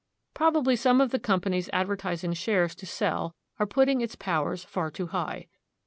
Probably some of the companies advertising shares to sell are putting its powers far too high.